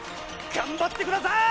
頑張ってくださぁい！